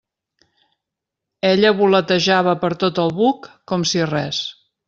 Ella voletejava per tot el buc com si res.